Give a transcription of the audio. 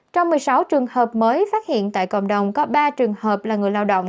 trong một mươi sáu trường hợp mới phát hiện tại cộng đồng có ba trường hợp là người lao động